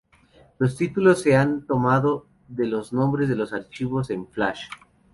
Los títulos se han tomado de los nombres de los archivos en Flash.